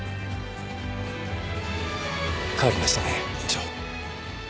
変わりましたね院長。